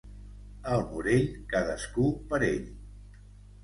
Al Morell, cadascú per ell.